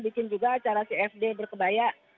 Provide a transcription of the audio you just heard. bikin juga acara cfd berkebaya